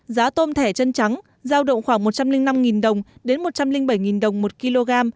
giá tôm thẻ chân trắng giao động khoảng một trăm linh năm một trăm linh bảy đồng một kg